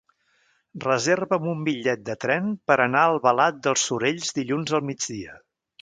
Reserva'm un bitllet de tren per anar a Albalat dels Sorells dilluns al migdia.